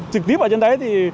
trực tiếp ở trên đấy thì